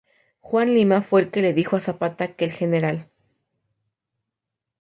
Juan Lima fue el que le dijo a Zapata que el Gral.